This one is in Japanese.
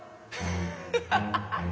ハハハハッ！